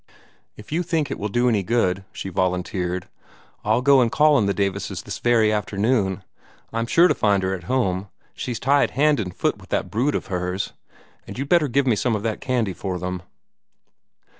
"If you think it will do any good," she volunteered, "I'll go and call on the Davises this very afternoon. I'm sure to find her at home, she's tied hand and foot with that brood of hers and you'd better give me some of that candy for them."